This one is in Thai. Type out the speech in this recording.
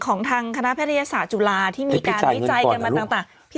ของทางคณะแพทยศาสตร์จุฬาที่มีการวิจัยกันมาต่างต่างพี่จ่ายเงินไปจองก่อนนะลูก